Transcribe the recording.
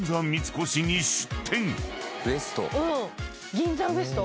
銀座ウエスト？